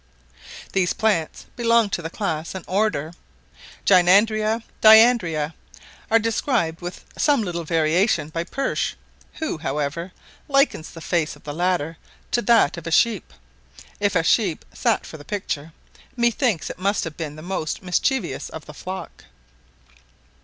These plants belong to class and order Gynandria diandria; are described with some little variation by Pursh, who, however, likens the face of the latter to that of a sheep: if a sheep sat for the picture, methinks it must have been the most mischievous of the flock.